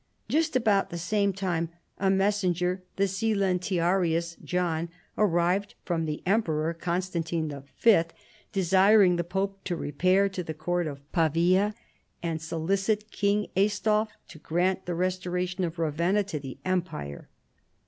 Just about the same time a messenger, the silentiarius* John, ar rived from the Emperor Constantine Y., desiring the pope to repair to the court of Pavia and solicit King Aistulf to grant the restoration of Ravenna to thci empire.